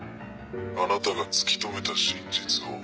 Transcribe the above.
あなたが突き止めた真実を。